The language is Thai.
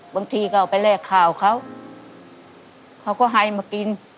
บางทีก็เอาไปแลกข่าวเขาเขาก็ให้มากิน